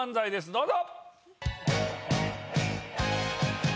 どうぞ。